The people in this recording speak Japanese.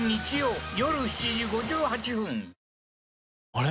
あれ？